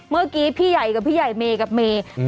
เมื่อกี้พี่ใหญ่กับพี่ใหญ่เมย์กับเมย์